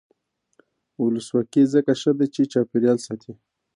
ولسواکي ځکه ښه ده چې چاپیریال ساتي.